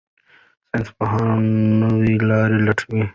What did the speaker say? ساینسپوهان نوې لارې لټوي.